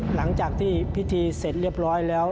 หลังจากที่พิธีเสร็จเรียบร้อยแล้ว